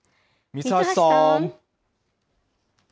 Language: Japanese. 三橋さん。